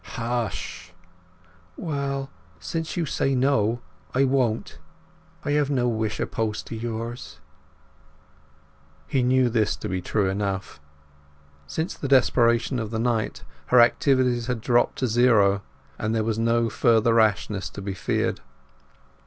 "Ssh!" "Well, since you say no, I won't. I have no wish opposed to yours." He knew this to be true enough. Since the desperation of the night her activities had dropped to zero, and there was no further rashness to be feared.